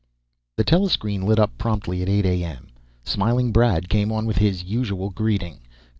] The telescreen lit up promptly at eight a.m. Smiling Brad came on with his usual greeting.